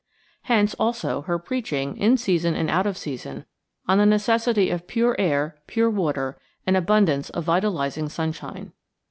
Hence, also, her preaching, in season and out of season, on the necessity of pure air, pure water and abundance of vitalizing sunshine.